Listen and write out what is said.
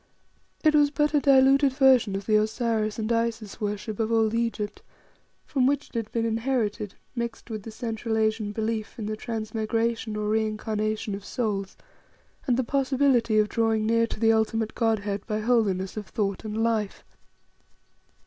It was but a diluted version of the Osiris and Isis worship of old Egypt, from which it had been inherited, mixed with the Central Asian belief in the transmigration or reincarnation of souls and the possibility of drawing near to the ultimate Godhead by holiness of thought and life.